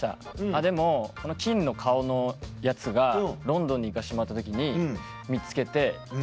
でもこの金の顔のやつがロンドンに行かせてもらった時に見つけて。